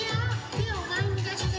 手を前に出して。